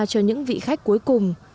cho những vị khách cuối cùng